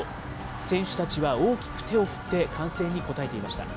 選手たちは大きく手を振って、歓声に応えていました。